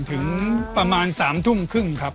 ถึงประมาณ๓ทุ่มครึ่งครับ